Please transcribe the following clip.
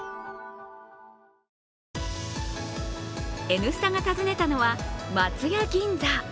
「Ｎスタ」が訪ねたのは松屋銀座。